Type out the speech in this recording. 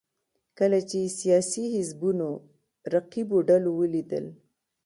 کله چې سیاسي حزبونو رقیبو ډلو ولیدل